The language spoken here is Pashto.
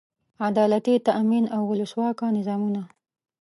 عدالتي تامین او اولسواکه نظامونه.